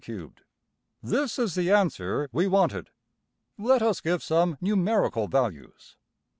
\] This is the answer we wanted. Let us give some numerical values.